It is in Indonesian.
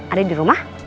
ada di rumah